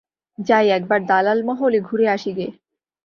যাই একবার দালাল-মহলে ঘুরে আসি গে।